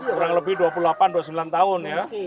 kurang lebih dua puluh delapan dua puluh sembilan tahun ya